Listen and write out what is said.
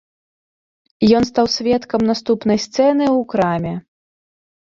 Ён стаў сведкам наступнай сцэны ў краме.